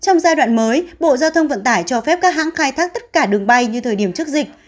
trong giai đoạn mới bộ giao thông vận tải cho phép các hãng khai thác tất cả đường bay như thời điểm trước dịch